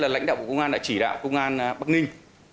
lãnh đạo bộ công an đã chỉ đạo công an bắc ninh